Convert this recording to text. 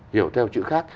hiểu theo chữ khác